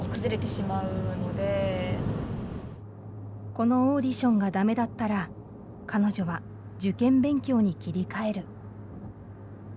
このオーディションが駄目だったら彼女は受験勉強に切り替える。